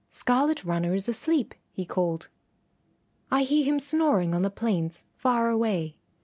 "Scarlet Runner is asleep," he called; "I hear him snoring on the plains far away."